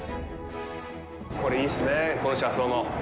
これ、いいですねぇ、この車窓の。